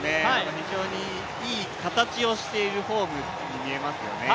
非常にいい形をしてるフォームに見えますよね。